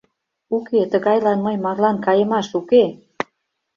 Уке, тыгайлан мый марлан кайымаш уке!